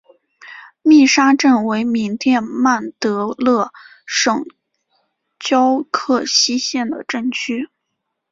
密沙镇为缅甸曼德勒省皎克西县的镇区。